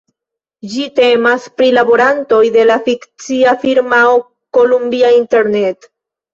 Ĝi temas pri laborantoj de la fikcia firmao Columbia Internet.